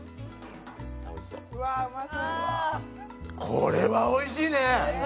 これはおいしいね！